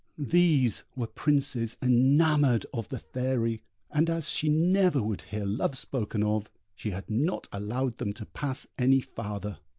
These were princes enamoured of the Fairy: and as she never would hear love spoken of, she had not allowed them to pass any farther.